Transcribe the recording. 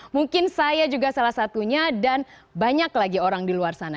mungkin saya juga salah satunya dan banyak lagi orang di luar sana